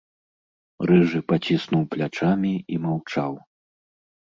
Рыжы паціснуў плячамі і маўчаў.